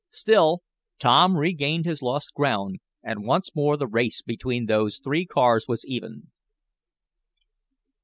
Still Tom regained his lost ground, and once more the race between those three cars was even.